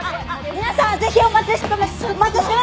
皆さんぜひお待ちしてお待ちしてます連絡！